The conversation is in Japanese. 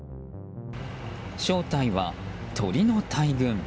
正体は、鳥の大群。